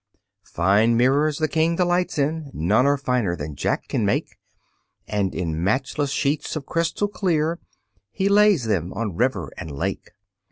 Fine mirrors the King delights in: None are finer than Jack can make: And in matchless sheets of crystal clear He lays them on river and lake.